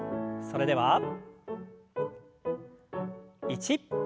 それでは１。